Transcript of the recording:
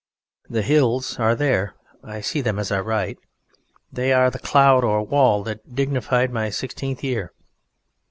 The Hills are there. I see them as I write. They are the cloud or wall that dignified my sixteenth year.